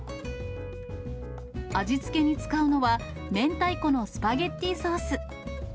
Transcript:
味付けに使うのは、明太子のスパゲッティソース。